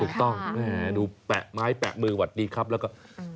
แม่ดูแปะไม้แปะมือสวัสดีครับแล้วก็